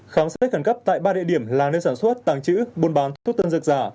khám xét khẩn cấp tại ba địa điểm là nơi sản xuất tàng trữ buôn bán thuốc tân dược giả